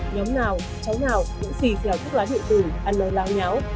nhóm nào cháu nào cũng phì khéo thức lá điện tử ăn lời láo nháo